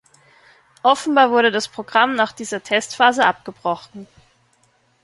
Offenbar wurde das Programm nach dieser Testphase abgebrochen.